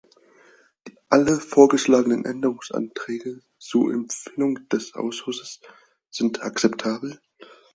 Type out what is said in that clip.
Alle vorgeschlagenen Änderungsanträge zur Empfehlung des Ausschusses sind akzeptabel.